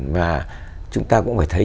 và chúng ta cũng phải thấy